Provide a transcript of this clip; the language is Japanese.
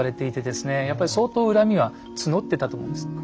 やっぱり相当恨みは募ってたと思うんです。